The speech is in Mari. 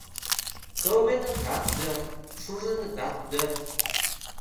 Кылменытат дыр, шуженытат дыр.